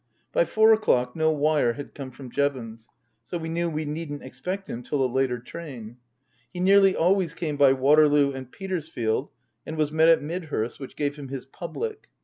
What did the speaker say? By four o'clock no wire had come from Jevons ; so we knew we needn't expect him till a later train. He nearly always came by Waterloo and Petersfield and was met at Midhurst, which gave him his public.